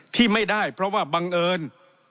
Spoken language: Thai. ที่ไม่ได้เพราะว่าบังเอิญ